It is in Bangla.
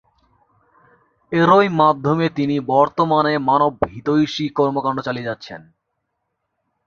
এরই মাধ্যমে তিনি বর্তমানে মানবহিতৈষী কর্মকাণ্ড চালিয়ে যাচ্ছেন।